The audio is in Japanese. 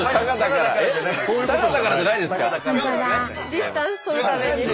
ディスタンス取るために。